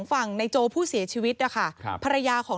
ที่มันก็มีเรื่องที่ดิน